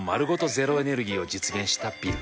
ゼロエネルギーを実現したビル。